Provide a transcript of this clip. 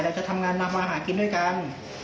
จะทำงานทำมาหากินด้วยกัน